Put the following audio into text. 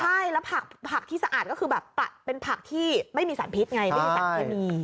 ใช่แล้วผักที่สะอาดก็คือแบบเป็นผักที่ไม่มีสารพิษไงไม่มีสารเคมี